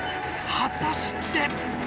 果たして。